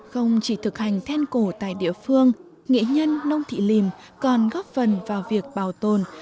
không chỉ thực hành then cổ tại địa phương nghệ nhân nông thị lìm còn góp phần vào việc bảo tồn